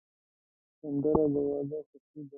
سندره د واده خوښي ده